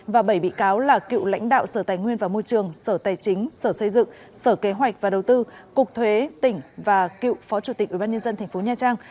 và bảy bị cáo là cựu lãnh đạo sở tài nguyên và môi trường sở tài chính sở xây dựng sở kế hoạch và đầu tư cục thuế tỉnh và cựu phó chủ tịch ubnd tp nha trang